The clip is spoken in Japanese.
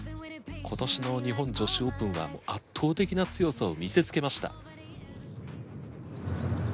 今年の日本女子オープンはもう圧倒的な強さを見せつけました。